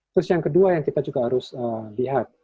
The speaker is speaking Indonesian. terus yang kedua yang kita juga harus lihat